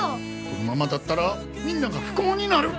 このままだったらみんなが不幸になる。